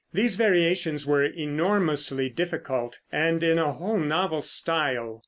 These variations were enormously difficult, and in a wholly novel style.